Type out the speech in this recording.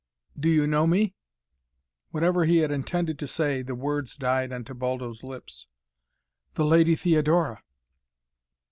"Do you know me?" Whatever he had intended to say, the words died on Tebaldo's lips. "The Lady Theodora!"